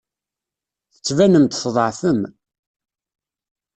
Tettbanem-d tḍeɛfem.